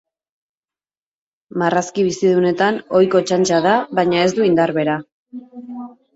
Marrazki bizidunetan ohiko txantxa da baina ez du indar bera.